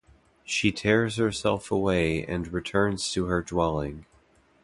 She tears herself away and returns to her dwelling.